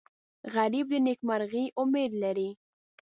غریب د نیکمرغۍ امید لري